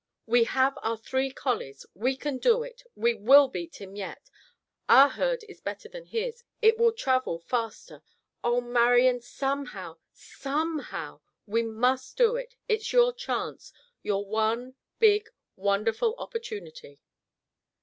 We have our three collies. We can do it. We will beat him yet. Our herd is better than his. It will travel faster. Oh, Marian! Somehow, somehow we must do it. It's your chance! Your one big, wonderful opportunity."